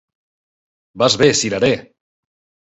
Vas bé, cirerer!